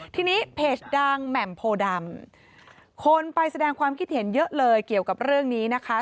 ทีนี้เพจดังแหม่มโพดำคนไปแสดงความคิดเห็นเยอะเลยเกี่ยวกับเรื่องนี้นะคะ